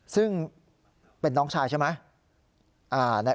ซึ่งเป็นน้องชายใช่ไหม